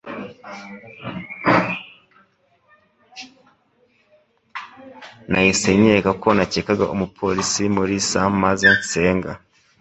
Nahise nkeka ko nakekaga Umupolisi Mulisa maze nsenga.